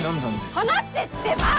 離せってば！